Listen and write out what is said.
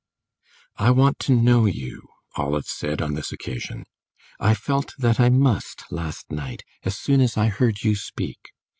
"I want to know you," Olive said, on this occasion; "I felt that I must last night, as soon as I heard you speak.